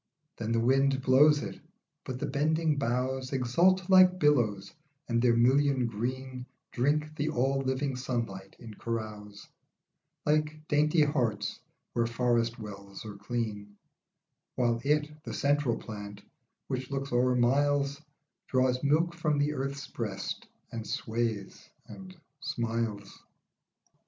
Then the wind blows it, but the bending boughs Exult like billows, and their million green Drink the all living sunlight in carouse, Like dainty harts where forest wells are clean, While it, the central plant, which looks o'er miles, Draws milk from the earth's breast, and sways, and smiles.